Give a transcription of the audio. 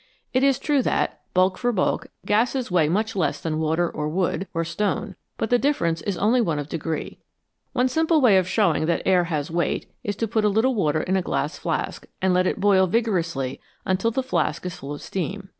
It is true that, bulk for bulk, gases weigh much less than water, or wood, or stone, but the difference is only one of degree. One simple way of showing that air has weight is to put a little water in a glass flask, and let it boil vigorously until the flask is full of steam.